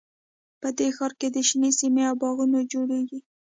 په دې ښار کې شنې سیمې او باغونه جوړیږي